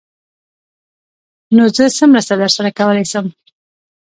_نو زه څه مرسته درسره کولای شم؟